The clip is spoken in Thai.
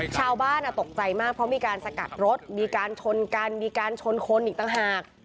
ชาวบ้านตกใจมากเพราะมีการสกัดรถมีการชนกันมีการชนคนอีกต่างหาก